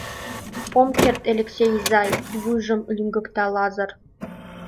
— Ом керт, Элексей изай, — вуйжым лӱҥгыкта Лазыр.